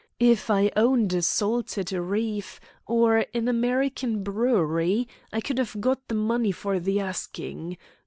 If I owned a salted reef or an American brewery I could have got the money for the asking.